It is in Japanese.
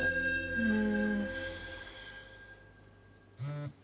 うん。